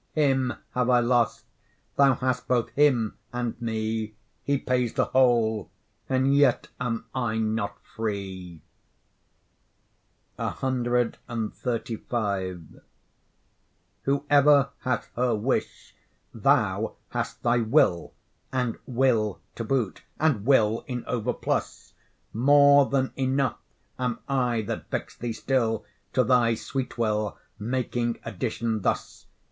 Him have I lost; thou hast both him and me: He pays the whole, and yet am I not free. CXXXV Whoever hath her wish, thou hast thy 'Will,' And 'Will' to boot, and 'Will' in over plus; More than enough am I that vex'd thee still, To thy sweet will making addition thus.